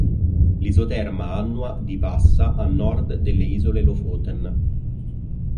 L'isoterma annua di passa a nord delle isole Lofoten.